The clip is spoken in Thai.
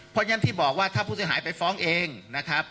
เพราะฉะนั้นที่บอกว่าถ้าผู้เสียหายไปฟ้องเองนะครับ